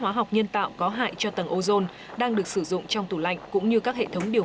hóa học nhân tạo có hại cho tầng ozone đang được sử dụng trong tủ lạnh cũng như các hệ thống điều